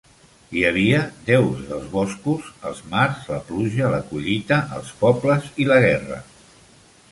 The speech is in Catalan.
Hi havia déus dels boscos, els mars, la pluja, la collita, els pobles i la guerra.